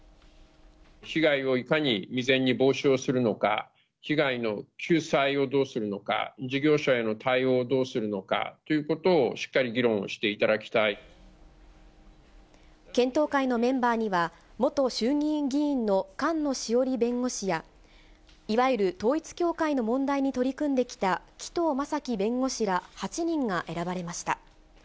被害をいかに未然に防止をするのか、被害の救済をどうするのか、事業者への対応をどうするのかということをしっかり議論をしてい検討会のメンバーには、元衆議院議員の菅野志桜里弁護士や、いわゆる統一教会の問題に取り組んできた紀藤正樹弁護士ら８人が選ばれました。